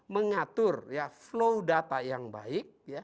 mengatur flow data yang baik